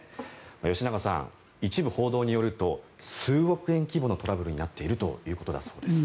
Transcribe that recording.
吉永さん、一部報道によると数億円規模のトラブルになっているということです。